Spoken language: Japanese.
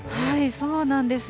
そうなんですよ。